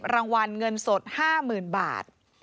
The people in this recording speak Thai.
๕๐รางวัลเงินสด๕๐๐๐๐บาท